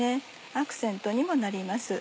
アクセントにもなります。